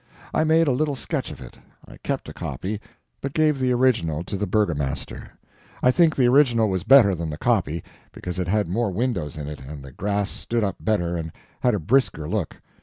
I made a little sketch of it. I kept a copy, but gave the original to the Burgomaster. I think the original was better than the copy, because it had more windows in it and the grass stood up better and had a brisker look.